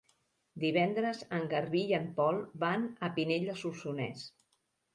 Divendres en Garbí i en Pol van a Pinell de Solsonès.